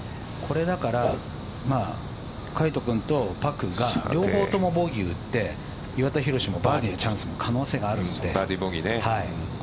だから、魁斗君とパクが両方ともボギー打って岩田寛もバーディーのチャンスが可能性があるので。